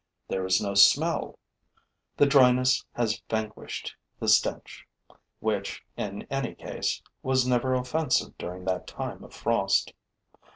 There is no smell. The dryness has vanquished the stench, which, in any case, was never offensive during that time of frost.